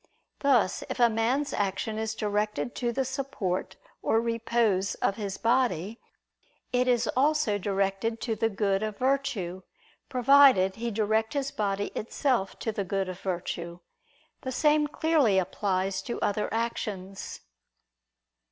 Thus, if a man's action is directed to the support or repose of his body, it is also directed to the good of virtue, provided he direct his body itself to the good of virtue. The same clearly applies to other actions.